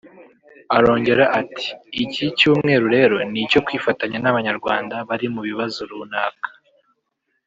Arongera ati “Iki cyumweru rero ni icyo kwifatanya n’Abanyarwanda bari mu bibazo runaka